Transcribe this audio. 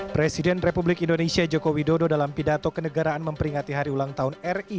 presiden republik indonesia joko widodo dalam pidato kenegaraan memperingati hari ulang tahun ri